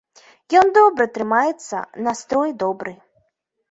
Ён добра трымаецца, настрой добры.